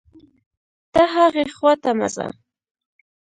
ته هاغې خوا ته مه ځه